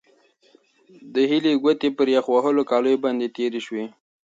د هیلې ګوتې پر یخ وهلو کالیو باندې تېرې شوې.